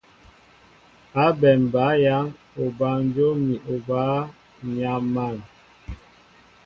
Ábɛm bǎyaŋ obanjóm ni obǎ, ǹ yam̀an !